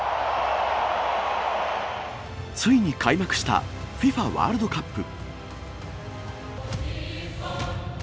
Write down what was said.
ついに開幕したＦＩＦＡワールドカップ。